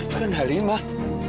itu kan harimah